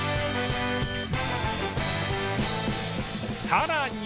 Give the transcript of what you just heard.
さらに